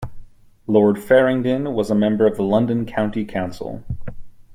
Lord Faringdon was a member of the London County Council.